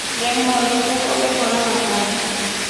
Rebweru soko vekora vakaria.